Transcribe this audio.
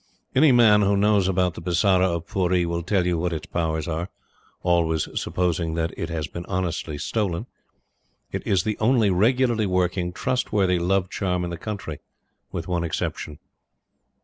Any man who knows about the Bisara of Pooree will tell you what its powers are always supposing that it has been honestly stolen. It is the only regularly working, trustworthy love charm in the country, with one exception.